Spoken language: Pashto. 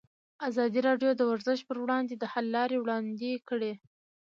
ازادي راډیو د ورزش پر وړاندې د حل لارې وړاندې کړي.